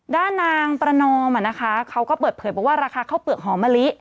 ด้านนางประนอมเขาก็เปิดเผยบอกว่าราคาข้าวเปลือกหอมมะลิ